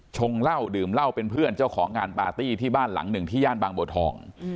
งเหล้าดื่มเหล้าเป็นเพื่อนเจ้าของงานปาร์ตี้ที่บ้านหลังหนึ่งที่ย่านบางบัวทอง